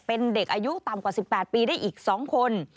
เป็นเด็กอายุต่ำกว่า๑๘ปีได้อีก๒คน